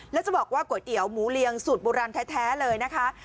แล้วจะบอกว่าก๋วยเตี๋ยวหมูเรียงสูตรโบราณแท้เลยนะคะ